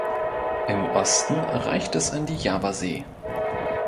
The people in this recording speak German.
Im Osten reicht es an die Javasee.